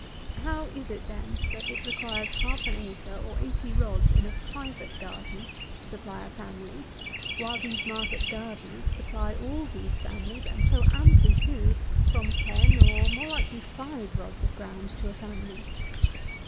How is it, then, that it requires half an acre, or eighty rods, in a private garden to supply a family, while these market gardeners supply all these families (and so amply too) from ten, or more likely, five rods of ground to a family?